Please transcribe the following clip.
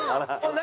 何？